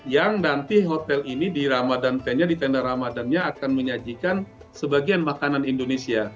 yang nanti hotel ini di ramadan di tenda ramadannya akan menyajikan sebagian makanan indonesia